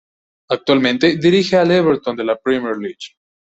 Actualmente dirige al Everton de la Premier League.